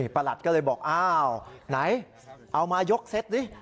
ประหลัดก็เลยบอกอ้าวไหนเอามายกเซ็ตดิ